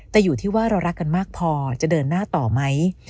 แต่อยู่ที่ว่าเรารักกันมากพอจะเดินหน้าต่อไหม